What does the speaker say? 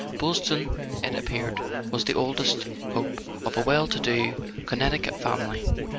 Boylston, it appeared, was the oldest hope of a well to do Connecticut family.